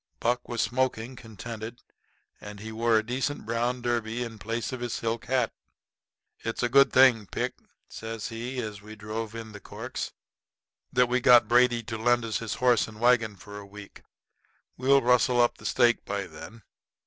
Buck was smoking, contented, and he wore a decent brown derby in place of his silk hat. "It's a good thing, Pick," says he, as he drove in the corks, "that we got Brady to lend us his horse and wagon for a week. We'll rustle up the stake by then.